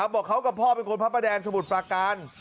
บอกเขากับพ่อเป็นคนพระประแดงสมุทรประการ